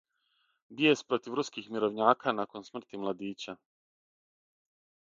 Бијес против руских мировњака након смрти младића